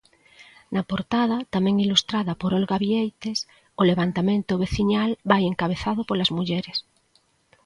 Na portada, tamén ilustrada por Olga Vieites, o levantamento veciñal vai encabezado polas mulleres.